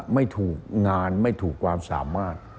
ไม่ถูกงานไม่ถูกความสามารถ